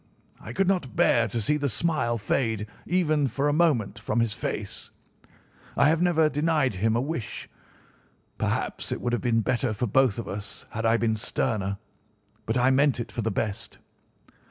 I could not bear to see the smile fade even for a moment from his face. I have never denied him a wish. Perhaps it would have been better for both of us had I been sterner, but I meant it for the best.